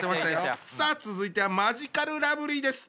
さあ続いてはマヂカルラブリーです。